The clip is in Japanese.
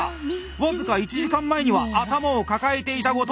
僅か１時間前には頭を抱えていた後藤。